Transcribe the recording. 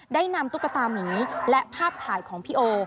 ได้นำตุ๊กตามีและภาพถ่ายของพี่โอ